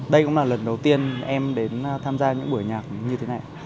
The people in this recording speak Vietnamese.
đây cũng là lần đầu tiên em đến tham gia những buổi nhạc như thế này